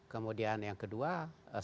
kemudian yang kedua selesaikan secepatnya